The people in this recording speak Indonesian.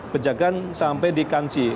pejagaan sampai di kansi